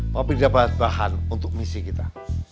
mbak bi dapat bahan untuk misi kita